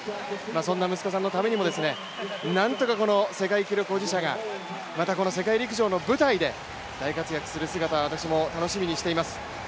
そんな息子さんのためにもこの世界記録保持者がまたこの世界陸上の舞台で大活躍する姿、私も楽しみにしています。